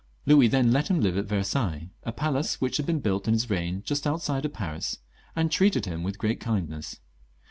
Louis then let him live at Versailles, a palace which had been built in this reign just outside Paris, and treated him with great kindness.